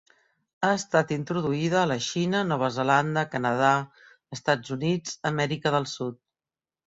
Ha estat introduïda a la Xina, Nova Zelanda, Canadà, Estats Units, Amèrica del Sud.